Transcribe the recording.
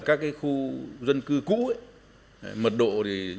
các cái khu dân cư cũ ấy mật độ thì nhà cửa